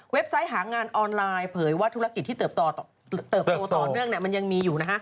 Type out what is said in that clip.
ไซต์หางานออนไลน์เผยว่าธุรกิจที่เติบโตต่อเนื่องมันยังมีอยู่